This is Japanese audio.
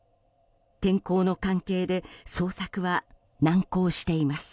天候の関係で捜索は難航しています。